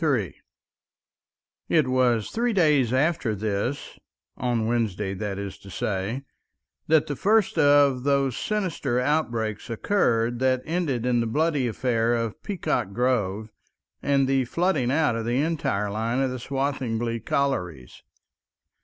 § 3 It was three days after this—on Wednesday, that is to say—that the first of those sinister outbreaks occurred that ended in the bloody affair of Peacock Grove and the flooding out of the entire line of the Swathinglea collieries.